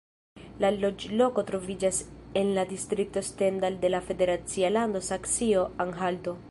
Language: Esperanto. La loĝloko troviĝas en la distrikto Stendal de la federacia lando Saksio-Anhalto.